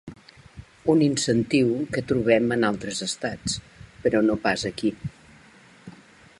Un incentiu que trobem en altres estats, però no pas aquí.